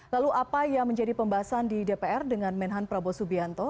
lalu apa yang menjadi pembahasan di dpr dengan menhan prabowo subianto